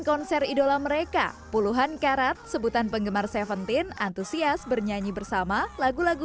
konser idola mereka puluhan karat sebutan penggemar tujuh belas antusias bernyanyi bersama lagu lagu